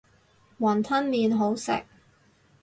雲吞麵好食